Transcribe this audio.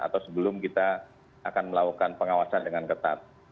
atau sebelum kita akan melakukan pengawasan dengan ketat